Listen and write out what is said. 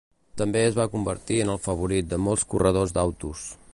També es va convertir en el favorit de molts corredors d'autos.